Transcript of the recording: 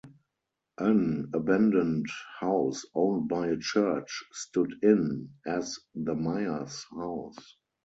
An abandoned house owned by a church stood in as the Myers house.